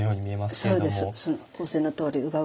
そうです。